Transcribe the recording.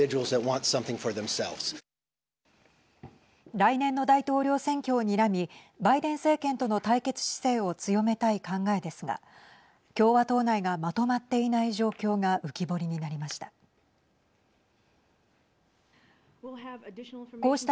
来年の大統領選挙をにらみバイデン政権との対決姿勢を強めたい考えですが共和党内がまとまっていない状況が浮き彫りになりました。